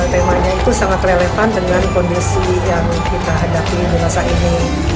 temanya itu sangat relevan dengan kondisi yang kita hadapi di masa ini